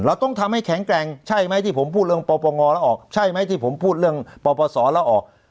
เราต้องทำให้แข็งแกร่งใช่ไหมที่ผมพูดเรื่องปปงอแล้วออก